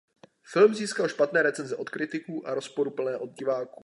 Film získal špatné recenze od kritiků a rozporuplné od diváků.